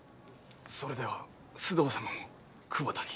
それでは須藤様も久保田に。